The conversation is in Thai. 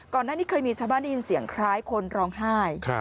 ก่อนหน้านี้เคยมีชาวบ้านได้ยินเสียงคล้ายคนร้องไห้